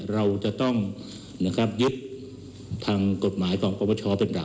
เราจะต้องยึดทางกฎหมายของพปชเป็นหลัก